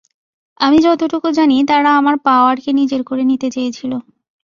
আমি যতটুকু জানি তারা আমার পাওয়ারকে নিজের করে নিতে চেয়েছিল।